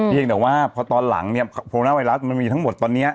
เพราะตอนหลังโครโนโลนาไวรัสมันมีทั้งหมดตอนนี้